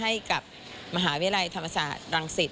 ให้กับมหาวิทยาลัยธรรมศาสตร์รังสิต